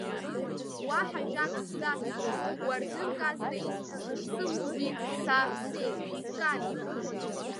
Уаҳа ажәак сзацҵом, уардынк азна исҳәаша шсымоугьы, сааԥсеит, скарахеит!